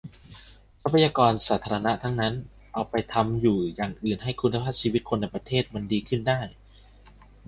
ทรัพยากรสาธารณะทั้งนั้น เอาไปทำอยู่อื่นให้คุณภาพชีวิตคนในประเทศมันดีขึ้นได้